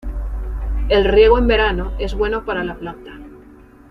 El riego en verano es bueno para la planta.